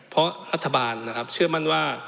เพราะรัฐบาลเชื่อมั่นว่า